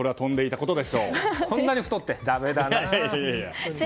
こんなに太って、だめだな。